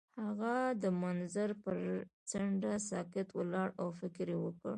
هغه د منظر پر څنډه ساکت ولاړ او فکر وکړ.